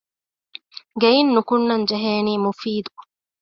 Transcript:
ގެއިން ނުކުންނަން ޖެހޭނީ މުފީދު